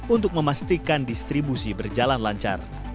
untuk memastikan distribusi berjalan lancar